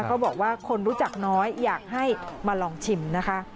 เขาบอกว่าคนรู้จักน้อยอยากให้มาลองชิมนะคะ